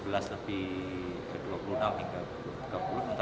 lebih ke dua puluh enam hingga tiga puluh